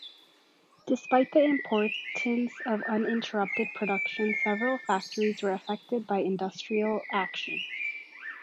Despite the importance of uninterrupted production, several factories were affected by industrial action.